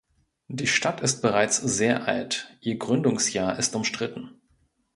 Die Stadt ist bereits sehr alt; ihr Gründungsjahr ist umstritten.